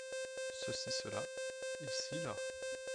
Ceci/Cela. Ici/Là.